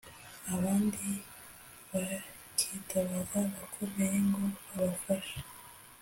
abandi bakitabaza abakomeye ngo babafashe